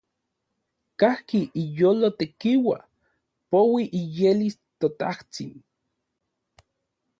Kajki iyolo tekiua, poui iyelis ToTajtsin.